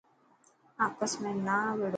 آپس ۾ نا وڙو.